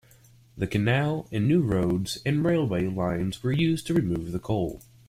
The canal and new roads and railway lines were used to remove the coal.